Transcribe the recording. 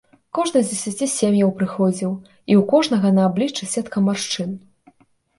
Кожны з дзесяці сем'яў прыходзіў, і ў кожнага на абліччы сетка маршчын.